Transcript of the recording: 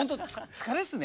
疲れっすね。